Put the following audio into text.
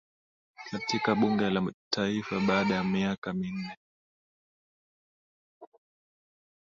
katika bunge la taifa baada ya miaka minne